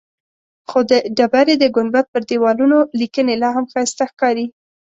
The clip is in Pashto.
خو د ډبرې د ګنبد پر دیوالونو لیکنې لاهم ښایسته ښکاري.